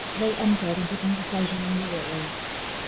They entered into conversation immediately.